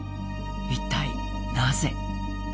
一体、なぜ？